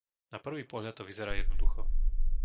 Na prvý pohľad to vyzerá jednoducho.